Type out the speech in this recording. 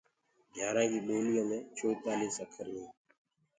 گھياٚرآن ڪي ٻوليو مي چوتآݪيٚس اکر هينٚ۔